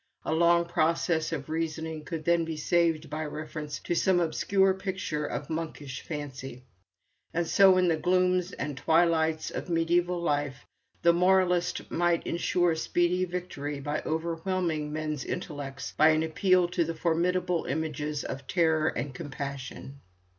A long process of reasoning could then be saved by reference to some obscure picture of monkish fancy. And so, in the glooms and twilights of mediæval life, the moralist might insure speedy victory by overwhelming men's intellects by an appeal to the formidable images of terror and compassion.